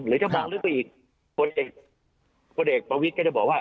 หรือจะบอกเรื่องไปอีกคนเด็กคนเด็กประวิทธิ์ก็จะบอกว่า